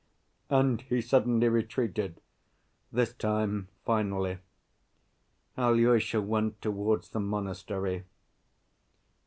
And he suddenly retreated, this time finally. Alyosha went towards the monastery.